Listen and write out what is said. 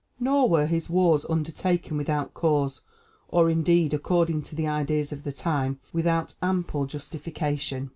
Nor were his wars undertaken without cause, or indeed, according to the ideas of the time, without ample justification.